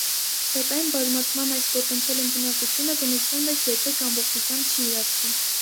Սակայն բազմացման այս պոտենցիալ ընդունակությունը բնության մեջ երբեք ամբողջությամբ չի իրացվում։